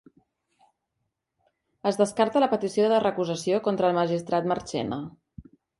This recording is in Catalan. Es descarta la petició de recusació contra el magistrat Marchena